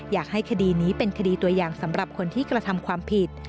อยากให้คดีนี้เป็นคดีตัวอย่างสำหรับคนที่กระทำความผิด